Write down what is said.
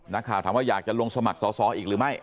นักข่าวถามว่าอยากจะลงสมัครสอสออีกหรือไม่